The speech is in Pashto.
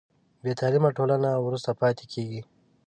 بې تعلیمه ټولنه وروسته پاتې کېږي.